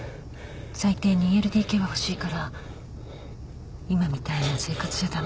最低２ＬＤＫは欲しいから今みたいな生活じゃ駄目よ。